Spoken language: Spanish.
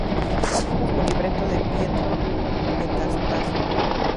Óperas con libreto de Pietro Metastasio